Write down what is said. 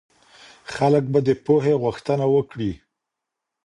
خلک به د پوهې غوښتنه وکړي.